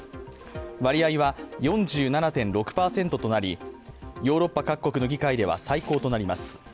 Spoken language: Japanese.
割合は４７．６％となりヨーロッパ各国の議会では最高となります。